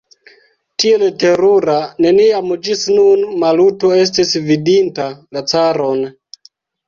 Tiel terura neniam ĝis nun Maluto estis vidinta la caron.